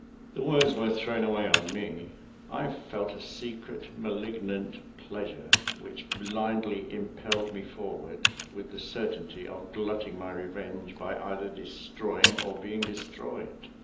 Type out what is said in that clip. The words were thrown away on me. I felt a secret malignant pleasure, which blindly impelled me forward, with the certainty of glutting my revenge, by either destroying or being destroyed.